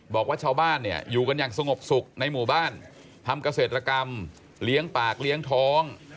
บอกว่าชาวบ้านเนี่ยอยู่กันอย่างสงบสุขในหมู่บ้านทำเกษตรกรรมเลี้ยงปากเลี้ยงท้อง